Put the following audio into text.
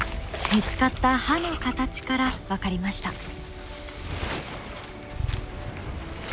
見つかった歯の形から分かりました。